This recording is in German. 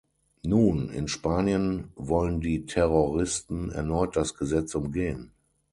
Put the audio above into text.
Nun, in Spanien wollen die Terroristen erneut das Gesetz umgehen.